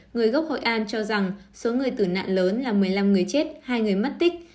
người gốc hội an cho rằng số người tử nạn lớn là một mươi năm người chết hai người mất tích